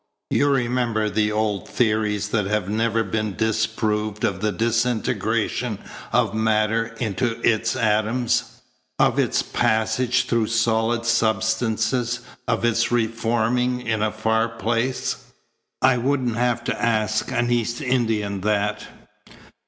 You remember the old theories that have never been disproved of the disintegration of matter into its atoms, of its passage through solid substances, of its reforming in a far place? I wouldn't have to ask an East Indian that."